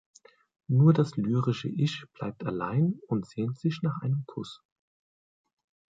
Nur das lyrische Ich bleibt allein und sehnt sich nach einem Kuss.